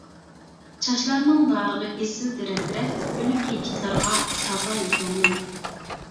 چاچلارنىڭ دارىغا ئېسىلدى رەت-رەت، ئۆلۈكى ئىتلارغا سازايى كۆڭلۈم.